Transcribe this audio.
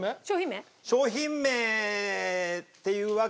商品名っていうわけ。